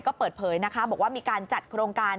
ก็เปิดเผยนะคะบอกว่ามีการจัดโครงการ